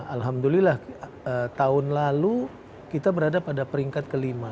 alhamdulillah tahun lalu kita berada pada peringkat ke lima